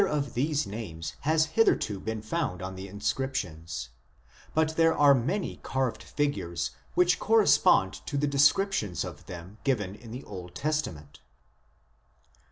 ANGELOLOGY OF THE OLD TESTAMENT 53 names has hitherto been found on the inscriptions, but there are many carved figures which correspond to the descriptions of them given in the Old Testament.